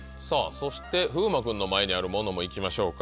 そして風磨君の前にあるものも行きましょうか。